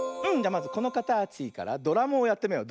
まずこのかたちからドラムをやってみよう。